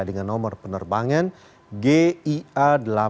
dengan nomor penerbangan gia delapan ratus sembilan belas